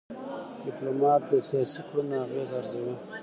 ډيپلومات د سیاسي کړنو اغېز ارزوي.